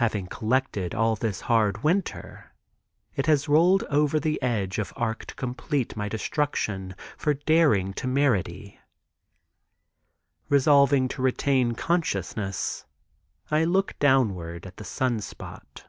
Having collected all this hard winter, it has rolled over the edge of Arc to complete my destruction for my daring temerity. Resolving to retain consciousness, I look downward at the sun spot.